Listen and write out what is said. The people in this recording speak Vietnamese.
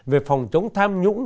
về phòng chống tham nhũng